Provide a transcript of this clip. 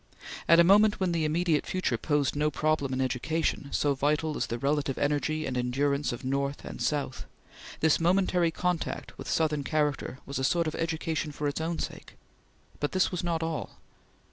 At a moment when the immediate future posed no problem in education so vital as the relative energy and endurance of North and South, this momentary contact with Southern character was a sort of education for its own sake; but this was not all.